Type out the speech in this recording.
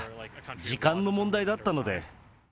時間の問題だったので。